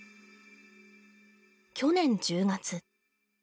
去年１０月。